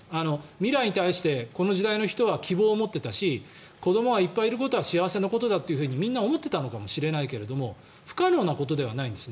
未来に対して、この時代の人は希望を持っていたし子どもがいっぱいいることは幸せなことだと、みんな思っていたのかもしれないけど不可能なことじゃないんです。